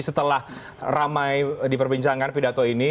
setelah ramai diperbincangkan pidato ini